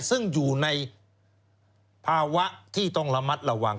ซึ่งอยู่ในภาวะที่ต้องระมัดระวัง